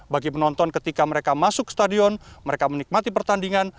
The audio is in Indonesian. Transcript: bagi penonton ketika mereka masuk stadion mereka menikmati pertandingan